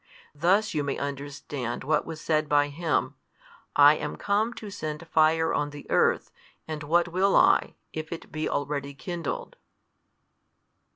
Thus you may understand what was said by Him, I am come to send fire on the earth, and what will I, if it be already kindled?